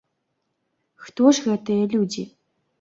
Хто ж гэтыя людзі?